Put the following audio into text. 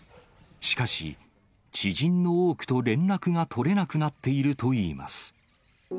しかし、知人の多くと連絡が取れなくなっているといいます。